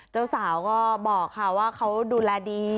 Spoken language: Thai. เจ้าสาวก็บอกค่ะว่าเขาดูแลดี